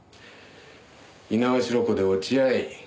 猪苗代湖で落ち合い